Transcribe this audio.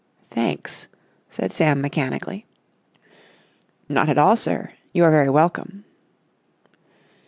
"Thanks," said Sam mechanically. "Not at all, sir. You are very welcome."